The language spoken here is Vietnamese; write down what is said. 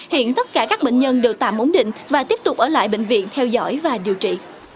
hiện tất cả các bệnh nhân đều tạm ổn định và tiếp tục ở lại bệnh viện theo dõi và điều trị